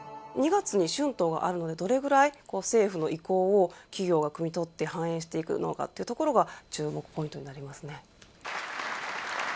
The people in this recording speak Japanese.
２月に春闘があるので、どれぐらい政府の意向を企業が酌み取って反映していくのかっていうところが、注目ポイントになりますね。